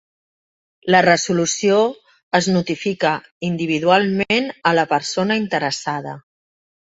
La resolució es notifica individualment a la persona interessada.